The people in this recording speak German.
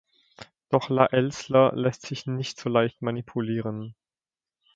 Doch La Elßler lässt sich nicht so leicht manipulieren.